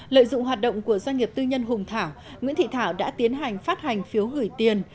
lợi dụng hoạt động của doanh nghiệp tư nhân hùng thảo nguyễn thị thảo đã tiến hành phát hành phiếu gửi tiền